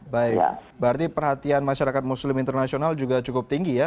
baik berarti perhatian masyarakat muslim internasional juga cukup tinggi ya